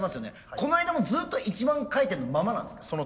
この間もずっと１万回転のままなんですか？